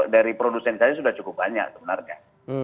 dari produsen saya sudah cukup banyak sebenarnya